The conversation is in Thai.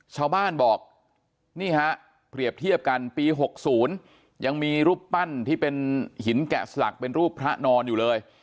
ชาวบ้านบอกนี่ฮะเปรียบเทียบกันปี๖๐ยังมีรูปปั้นที่เป็นหินแกะสลักเป็นรูปพระนอนอยู่เลย